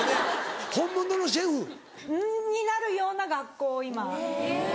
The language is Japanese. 本物のシェフ？になるような学校を今。